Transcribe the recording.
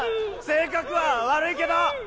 性格は悪いけど。